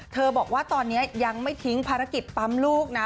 บอกว่าตอนนี้ยังไม่ทิ้งภารกิจปั๊มลูกนะ